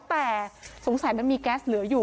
แต่สงสัยมันมีแก๊สเหลืออยู่